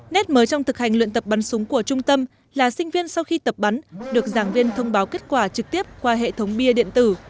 nét mới trong thực hành luyện tập bắn súng của trung tâm là sinh viên sau khi tập bắn được giảng viên thông báo kết quả trực tiếp qua hệ thống bia điện tử